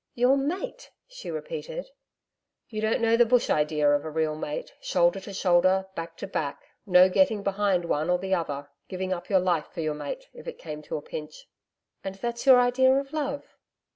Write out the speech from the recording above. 'Your mate!' she repeated. 'You don't know the Bush idea of a real mate shoulder to shoulder, back to back no getting behind one or the other giving up your life for your mate, if it came to a pinch.' 'And that's your idea of love?'